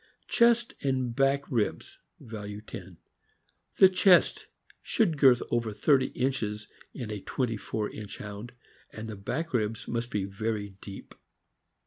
Chest and ~back ribs (value 10). — The chest should girth over thirty inches in a twenty four inch Hound, and the back ribs must be very deep.